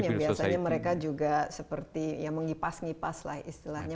dan pemimpinnya biasanya mereka juga seperti ya mengipas ngipas lah istilahnya